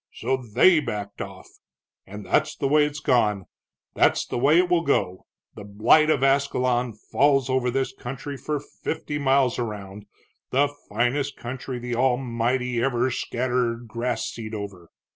So they backed off. And that's the way it's gone, that's the way it will go. The blight of Ascalon falls over this country for fifty miles around, the finest country the Almighty ever scattered grass seed over.